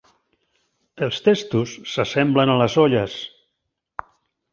Els testos s'assemblen a les olles.